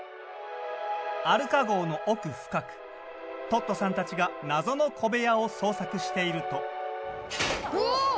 アルカ号の奥深くトットさんたちが謎の小部屋を捜索しているとうわっ！